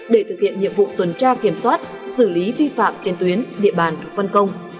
để thực hiện nhiệm vụ tuần tra kiểm soát xử lý vi phạm trên tuyến địa bàn văn công